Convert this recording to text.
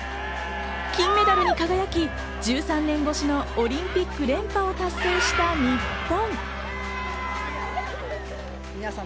金メダルに輝き、１３年越しのオリンピック連覇を達成した日本。